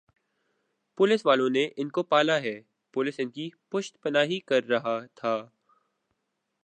police والوں نے ان کو پالا ھے پولیس ان کی پشت پناہی کررہا تھا